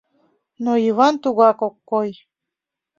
Но Йыван тугак ок кой.